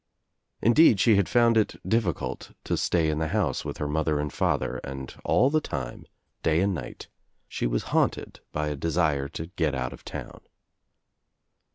Indeed she had found it difficult to stay in the house .with her mother and father and all the time, day and 171 172 THE TRIUMPH OF THE EGG night, she was haunted by a desire to get out of town.